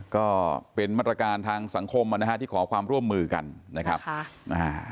ก็เป็นมาตรการทางสังคมอ่ะนะฮะที่ขอความร่วมมือกันนะครับค่ะอ่า